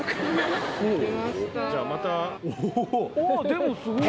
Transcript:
でもすごい！